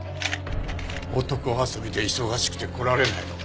男遊びで忙しくて来られないのか？